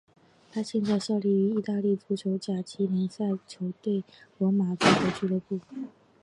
他现在效力于意大利足球甲级联赛球队罗马足球俱乐部。